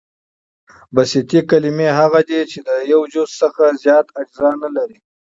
بسیطي کلیمې هغه دي، چي له یوه جز څخه زیات اجزا نه لري.